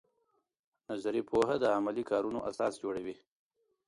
نظري پوهه د عملي کارونو اساس جوړوي.